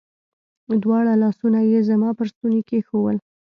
دواړه لاسونه يې زما پر ستوني کښېښوول.